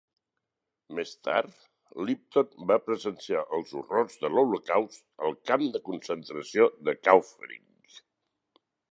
Més tard, Lipton va presenciar els horrors de l'Holocaust al camp de concentració de Kaufering.